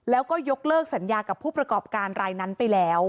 แล้วก็ยกเลิกสัญญากับผู้ประกอบการรายนั้นไปแล้ว